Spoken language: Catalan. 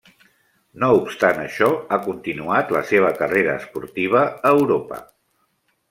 No obstant això, ha continuat la seva carrera esportiva a Europa.